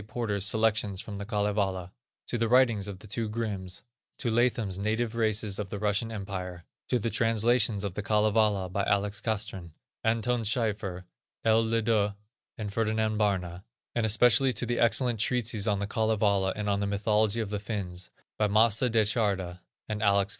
Porter's Selections from the Kalevala; to the writings of the two Grimms; to Latham's Native Races of the Russian Empire; to the translations of the Kalevala by Alex. Castrén, Anton Schieffier, L. LeDuc and Ferdinand Barna; and especially to the excellent treatises on the Kalevala, and on the Mythology of the Finns, by Mace Da Charda and Alex.